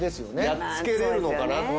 やっつけれるのかな。